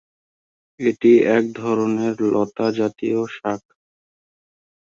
এটি এক ধরনের লতা জাতীয় শাক।